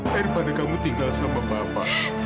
daripada kamu tinggal sama bapak